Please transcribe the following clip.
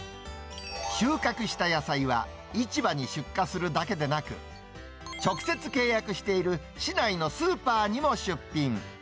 収穫した野菜は、市場に出荷するだけでなく、直接契約している市内のスーパーにも出品。